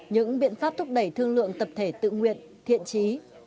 những biện pháp thúc đẩy thương lượng tập thể tự nguyện thiện trí